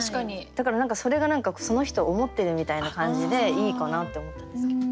だから何かそれがその人を思ってるみたいな感じでいいかなって思ったんですけど。